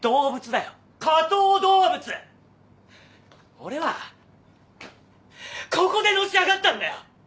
俺はここでのし上がったんだよ！